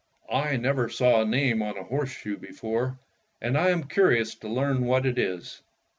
"I never saw a name on a horseshoe before, and I am curious to learn what it is."